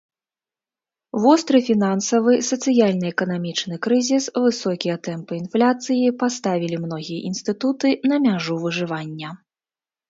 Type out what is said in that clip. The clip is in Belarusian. Востры фінансавы, сацыяльна-эканамічны крызіс, высокія тэмпы інфляцыі паставілі многія інстытуты на мяжу выжывання.